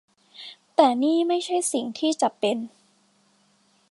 แต่นี่ไม่ใช่สิ่งที่จะเป็น